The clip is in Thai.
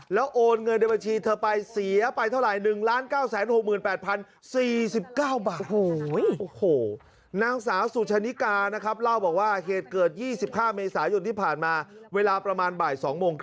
แล้วโอนเงินในบัญชีเธอไปเสียไปเท่าไหร่๑๙๖๘๐๔๙บาท